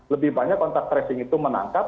lebih banyak kontak tracing itu menangkap